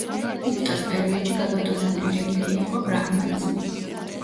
გუპტას პერიოდში გაბატონებული რელიგია იყო ბრაჰმანიზმი.